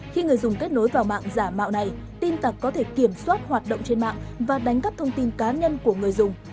khi người dùng kết nối vào mạng giả mạo này tin tặc có thể kiểm soát hoạt động trên mạng và đánh cắp thông tin cá nhân của người dùng